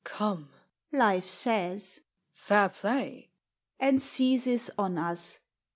" Come," Life says, « Fair play !" And seizes on us.